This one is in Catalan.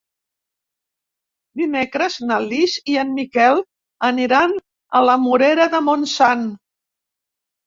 Dimecres na Lis i en Miquel aniran a la Morera de Montsant.